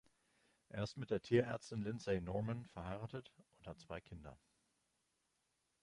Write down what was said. Er ist mit der Tierärztin Lindsay Norman verheiratet und hat zwei Kinder.